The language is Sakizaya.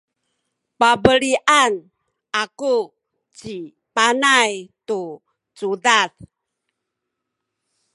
pabelian aku ci Panay tu cudad.